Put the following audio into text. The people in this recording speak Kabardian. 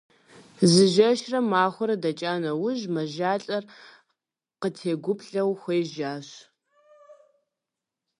Зы жэщрэ махуэрэ дэкӀа нэужь, мэжалӀэр къыттегуплӀэу хуежьащ.